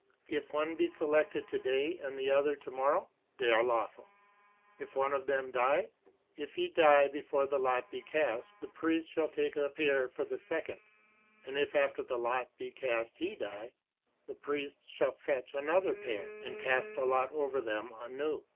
"If one be selected to day and the other to morrow?" "They are lawful." "If one of them died?" "If he die before the lot be cast, the priest shall take a pair for the second; and if after the lot be cast he die, the priest shall fetch another pair, and cast the lot over them anew."